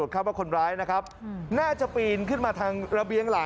ลุกขึ้นมาหา